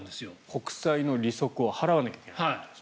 国債の利息を払わなきゃいけない。